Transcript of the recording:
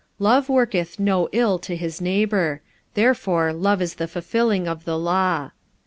45:013:010 Love worketh no ill to his neighbour: therefore love is the fulfilling of the law.